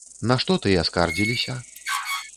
На што тыя скардзіліся?